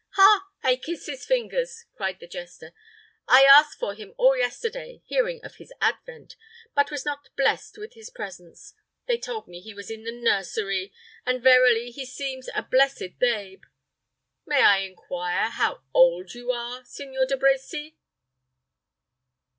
"Ha! I kiss his fingers," cried the jester. "I asked for him all yesterday, hearing of his advent, but was not blessed with his presence. They told me he was in the nursery, and verily he seems a blessed babe. May I inquire how old you are, Signor De Brecy?"